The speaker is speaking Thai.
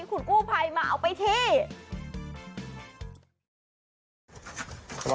คุณกู้ภัยมาเอาไปที่